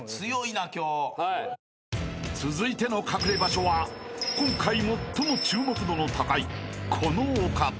［続いての隠れ場所は今回最も注目度の高いこのお方］